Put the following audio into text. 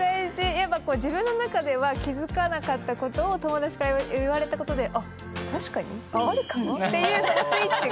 やっぱ自分の中では気付かなかったことを友達から言われたことであっっていうそのスイッチが。